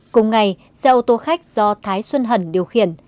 cùng ngày xe ô tô khách do thái xuân hẩn điều khiển